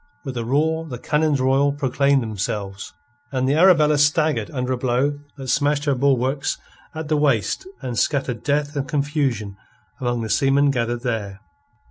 With a roar the cannons royal proclaimed themselves, and the Arabella staggered under a blow that smashed her bulwarks at the waist and scattered death and confusion among the seamen gathered there.